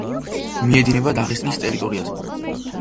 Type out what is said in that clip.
მიედინება დაღესტნის ტერიტორიაზე.